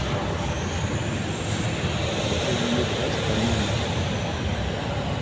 Le reliait Brest à Nantes.